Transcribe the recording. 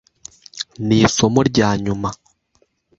Nisomo ryanyuma?